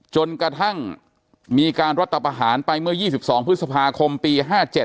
จนกระทั่งมีการรัฐประหารไปเมื่อ๒๒พฤษภาคมปี๕๗